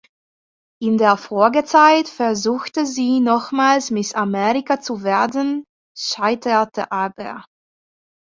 In der Folgezeit versuchte sie nochmals Miss America zu werden, scheiterte aber.